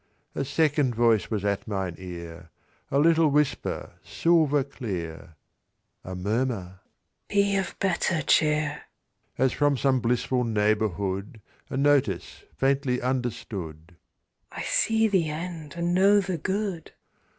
A second voice was at mine ear, A little whisper silver clear, A murmur, "Be of better cheer". As from some blissful neighbourhood, A notice faintly understood, "I see the end, and know the good".